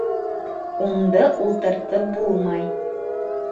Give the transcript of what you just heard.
Унды ултыртып булмай.